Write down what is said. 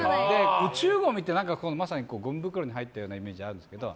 宇宙ごみってまさにごみ袋に入ってるようなイメージあるんですけど